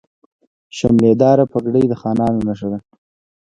شملې دارې پګړۍ د خانانو نښه ده.